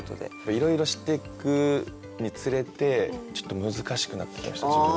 いろいろ知ってくにつれてちょっと難しくなってきました自分も。